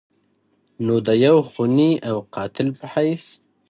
نو د يو خوني او قاتل په حېث